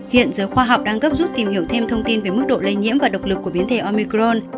hiện giới khoa học đang gấp rút tìm hiểu thêm thông tin về mức độ lây nhiễm và độc lực của biến thể omicron